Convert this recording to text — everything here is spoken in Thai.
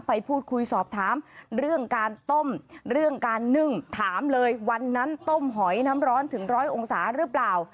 ไปพูดคุยสอบถามเรื่องการต้มเรื่องการนึ่งถามเลยวันนั้นต้มหอยน้ำร้อนถึงร้อยองศาหรือเปล่า